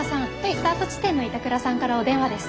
スタート地点の板倉さんからお電話です。